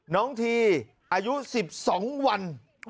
น้องทีอายุ๑๒วัน